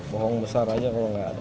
bohong besar aja kalau nggak ada